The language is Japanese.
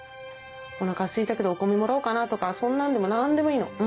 お腹すいたけどお米もらおうかなとかそんなんでも何でもいいの。